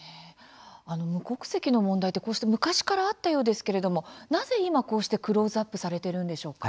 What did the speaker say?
無国籍の問題ってこうして昔からあったようですけれどもなぜ今、こうしてクローズアップされているんでしょうか？